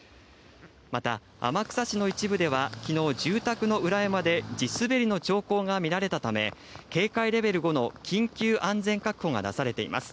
また、天草市の一部では、きのう住宅の裏山で地滑りの兆候が見られたため、警戒レベル５の緊急安全確保が出されています。